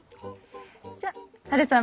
じゃあハルさん